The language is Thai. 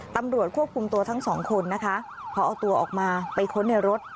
ตำรวจควบคุมตัวทั้งสองคนนะคะพอเอาตัวออกมาไปค้นในรถ